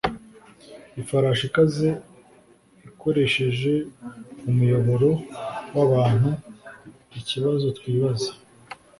ifarashi ikaze ikoresheje umuyoboro wabantuikibazo twibaza